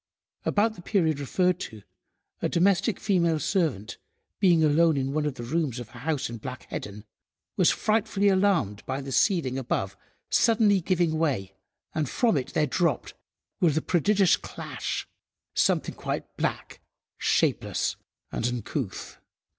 About the period referred to a domestic female servant being alone in one of the rooms of a house in Black Heddon, was frightfully alarmed by the ceiling above suddenly giving way, and from it there dropped, with a prodigious clash, something quite black, shapeless, and uncouth.